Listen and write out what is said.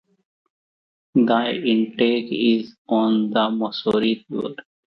The intake is on the Missouri River.